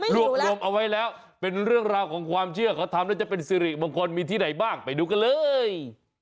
รวมเอาไว้แล้วเป็นเรื่องราวของความเชื่อเขาทำแล้วจะเป็นสิริมงคลมีที่ไหนบ้างไปดูกันเลย